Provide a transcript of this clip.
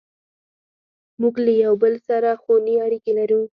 موږ له یو بل سره خوني اړیکې لرو.